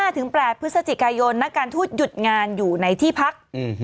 ๘พฤศจิกายนนักการทูตหยุดงานอยู่ในที่พัก